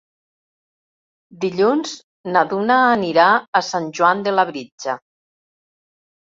Dilluns na Duna anirà a Sant Joan de Labritja.